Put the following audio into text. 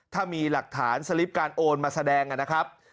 ถ้ามีหลักฐานสลิปการโอนมาแสดงนะครับ